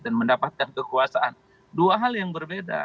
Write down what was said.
dan mendapatkan kekuasaan dua hal yang berbeda